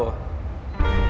dan dia bilang